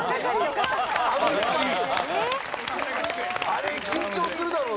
あれ緊張するだろうね。